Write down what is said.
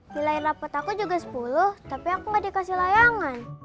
nilai dapat aku juga sepuluh tapi aku gak dikasih layangan